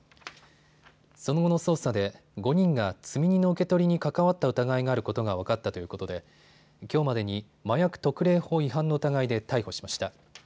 その後の捜査で５人が積み荷の受け取りに関わった疑いがあることが分かったということできょうまでに麻薬特例法違反の疑いで逮捕しました。